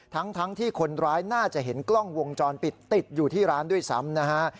ทั้งที่คนร้ายน่าจะเห็นกล้องวงจรปิดติดอยู่ที่ร้านด้วยซ้ำนะฮะ